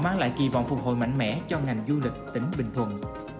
mang lại kỳ vọng phục hồi mạnh mẽ cho ngành du lịch tỉnh bình thuận